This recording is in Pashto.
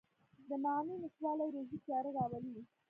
د معنی نشتوالی روحي تیاره راولي.